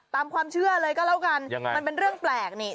ตามความเชื่อเลยก็แล้วกันยังไงมันเป็นเรื่องแปลกนี่